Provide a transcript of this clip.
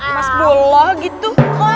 mas dolah gitu